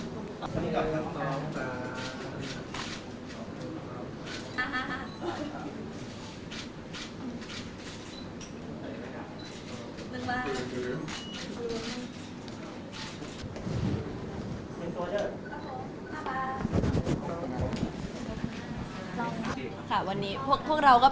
สวัสดีครับทุกคนครับ